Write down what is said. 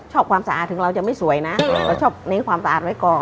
ความสะอาดถึงเราจะไม่สวยนะเราชอบเน้นความสะอาดไว้ก่อน